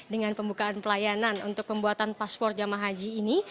dengan pembukaan pelayanan untuk pembuatan paspor jamaah haji ini